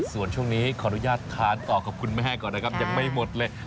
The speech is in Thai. ส่วนช่วงนี้ขออนุญาตทานต่อกับคุณแม่ก่อนนะครับยังไม่หมดเลย